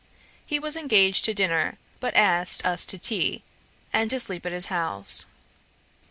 He was engaged to dinner, but asked us to tea, and to sleep at his house.